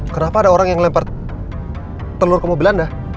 kenapa ada orang yang lempar telur kemu belanda